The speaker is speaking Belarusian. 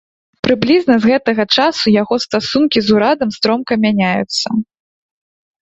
Прыблізна з гэтага часу яго стасункі з урадам стромка мяняюцца.